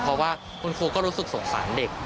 เพราะว่าคุณครูก็รู้สึกสงสารเด็ก